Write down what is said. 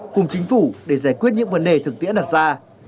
cùng chính phủ để giải quyết những vấn đề thực tiễn đặt ra